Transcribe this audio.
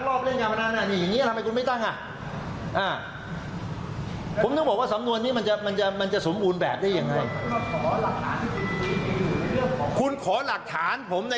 ลองฟังคุณชูวิทย์เชื่อว่าตำรวจมีทั้งหมดแต่ไม่เอาเข้าสู่สำนวนคดีทั้งหมด